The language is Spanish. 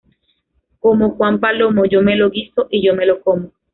Como Juan Palomo, yo me lo guiso y yo me lo como